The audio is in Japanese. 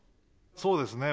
そうですね